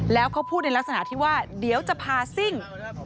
แล้วเขาพูดในลักษณะที่ว่าเดี๋ยวจะพาซิ่ง